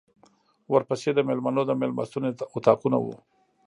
ورپسې د مېلمنو د مېلمستون اطاقونه و.